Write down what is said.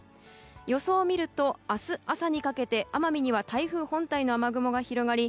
予想を見ると明日朝にかけて奄美には台風本体の雨雲が広がり